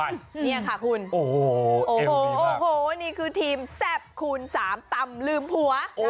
นี่ค่ะคุณโอ้โหนี่คือทีมแซ่บคูณสามตำลืมผัว